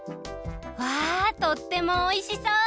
わとってもおいしそう！